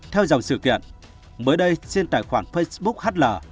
theo dòng sự kiện mới đây trên tài khoản facebook hl